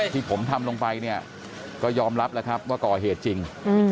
ที่ผมทำลงไปเนี่ยก็ยอมรับแล้วครับว่าก่อเหตุจริง